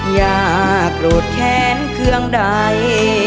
อย่าโกรธแค้นเครื่องใด